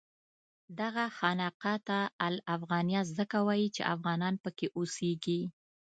دغه خانقاه ته الافغانیه ځکه وایي چې افغانان پکې اوسېږي.